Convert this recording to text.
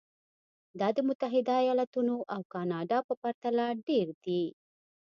دا د متحده ایالتونو او کاناډا په پرتله ډېر دي.